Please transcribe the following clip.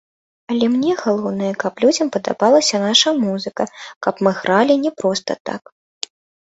Але мне галоўнае, каб людзям падабалася наша музыка, каб мы гралі не проста так.